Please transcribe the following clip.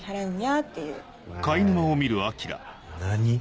何？